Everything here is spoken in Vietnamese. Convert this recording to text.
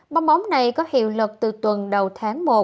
bóng bóng này có hiệu lực từ tuần đầu tháng một